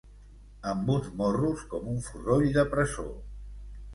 Amb uns morros com un forroll de presó.